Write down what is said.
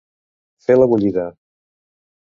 Fer la bullida.